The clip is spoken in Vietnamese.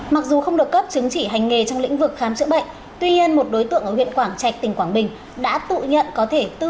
mặc dù không được cấp chứng chỉ hành nghề trong lĩnh vực khám chữa bệnh tuy nhiên một đối tượng ở huyện quảng trạch tỉnh quảng bình đã tự nhận có thể tự